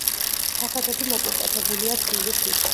ფასადები მოპირკეთებულია თლილი ქვით.